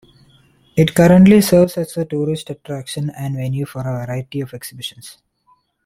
It currently serves as a tourist attraction and venue for a variety of exhibitions.